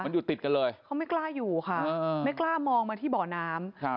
มันอยู่ติดกันเลยเขาไม่กล้าอยู่ค่ะไม่กล้ามองมาที่บ่อน้ำครับ